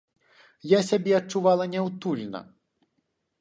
Я сябе адчувала няўтульна.